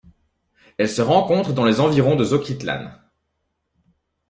Elle se rencontre dans les environs de Zoquitlán.